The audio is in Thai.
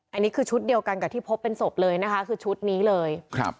อันนี้คือชุดเดียวกันกับที่พบเป็นศพเลยนะคะคือชุดนี้เลยครับ